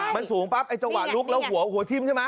มันสูงปั๊บไอจังหวะลุกแล้วหัวหัวทิ้มใช่ไหม